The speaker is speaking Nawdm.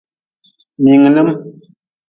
Mngilin.